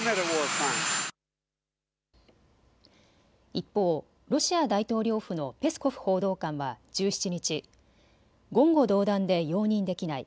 一方、ロシア大統領府のペスコフ報道官は１７日、言語道断で容認できない。